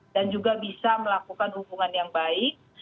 dan juga bisa melakukan hubungan yang baik